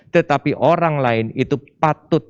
tetapi orang lain itu patut